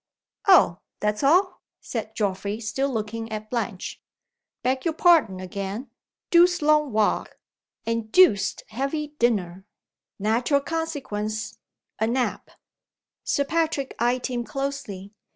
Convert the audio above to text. "Oh? That's all?" said Geoffrey still looking at Blanche. "Beg your pardon again. Deuced long walk, and deuced heavy dinner. Natural consequence a nap." Sir Patrick eyed him closely.